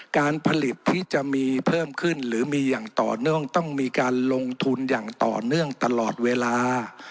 การผลิตที่จะมีเพิ่มขึ้นหรือมีอย่างต่อเนื่องต้องมีการลงทุนอย่างต่อเนื่องตลอดเวลา